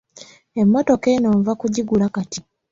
Emmotoka eno nva kugigula kati.